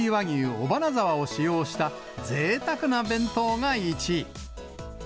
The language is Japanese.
尾花沢を使用したぜいたくな弁当が１位。